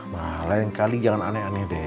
nah lain kali jangan aneh aneh deh